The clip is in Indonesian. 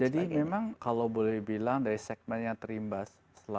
jadi memang kalau boleh dibilang dari segmen yang terimbas